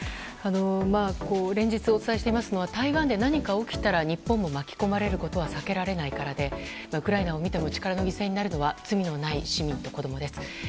連日お伝えしていますのは台湾で何か起きたら日本も巻き込まれるのは避けられないからでウクライナを見ても力の犠牲になるのは罪のない市民と子供です。